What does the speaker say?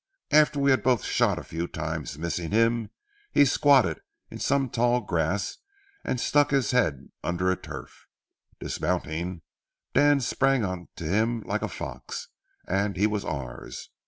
After we had both shot a few times, missing him, he squatted in some tall grass and stuck his head under a tuft. Dismounting, Dan sprang on to him like a fox, and he was ours.